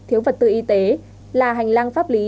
thiếu vật tư y tế là hành lang pháp lý